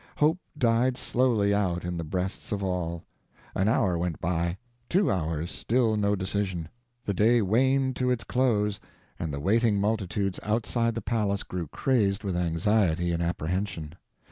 Hope died slowly out in the breasts of all. An hour went by; two hours, still no decision. The day waned to its close, and the waiting multitudes outside the palace grew crazed with anxiety and apprehension.